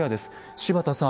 柴田さん